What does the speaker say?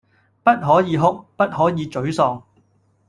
不可以哭，不可以沮喪